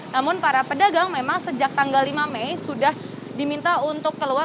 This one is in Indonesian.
namun para pedagang memang sejak tanggal lima mei sudah diminta untuk keluar